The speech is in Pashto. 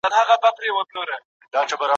پر دا کړي داد دي خدای نه سي پښېمانه